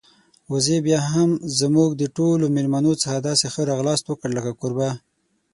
وزې بيا هم زموږ د ټولو میلمنو څخه داسې ښه راغلاست وکړ لکه کوربه.